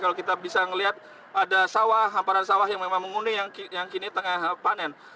kalau kita bisa melihat ada hamparan sawah yang memang menguning yang kini tengah panen